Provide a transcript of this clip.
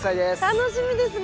楽しみですね。